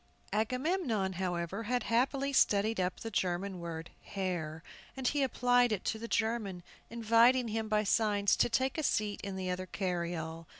Agamemnon, however, had happily studied up the German word "Herr," and he applied it to the German, inviting him by signs to take a seat in the other carryall.